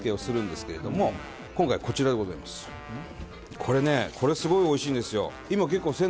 これねこれすごいおいしいんですよ